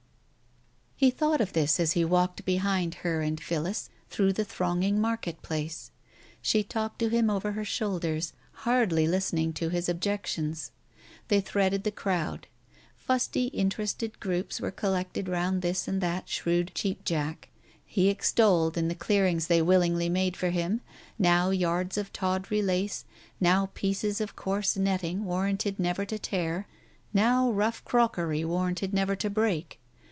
He thought of this as he walked behind her and Phillis through the thronging market place. She talked to him over her shoulder, hardly listening to his objections. They threaded the crowd. Fusty interested groups were collected round this or that shrewd cheap Jack. He extolled, in the clearings they willingly made for him, now yards of tawdry lace, now pieces of coarse netting warranted never to tear, now rough crockery warranted never to break.